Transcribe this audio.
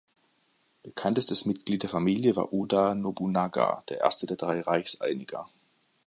Bekanntestes Mitglied der Familie war Oda Nobunaga, der erste der Drei Reichseiniger.